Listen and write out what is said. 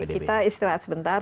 kita istirahat sebentar